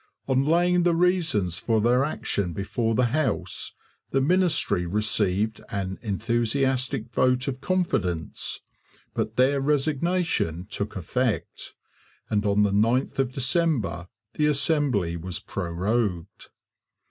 On laying the reasons for their action before the House the ministry received an enthusiastic vote of confidence; but their resignation took effect, and on the ninth of December the Assembly was prorogued.